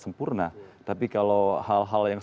sempurna tapi kalau hal hal yang